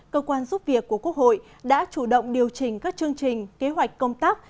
cơ quan giúp việc của quốc hội đã chủ động điều chỉnh các chương trình kế hoạch công tác